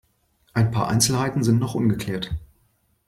Ein paar Einzelheiten sind noch ungeklärt.